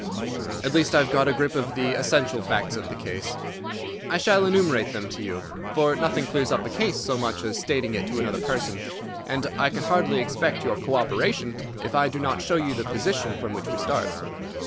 "At least I have got a grip of the essential facts of the case. I shall enumerate them to you, for nothing clears up a case so much as stating it to another person, and I can hardly expect your co operation if I do not show you the position from which we start."